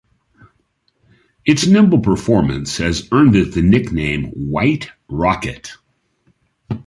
Its nimble performance has earned it the nickname white rocket.